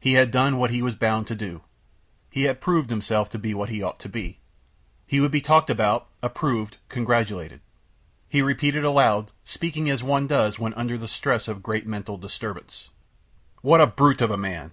He had done what he was bound to do; he had proved himself to be what he ought to be. He would be talked about, approved, congratulated. He repeated aloud, speaking as one does when under the stress of great mental disturbance: "What a brute of a man!"